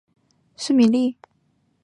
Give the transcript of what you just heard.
瑟米利。